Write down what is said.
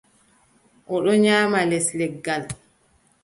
O ɗon nyaama les leggal.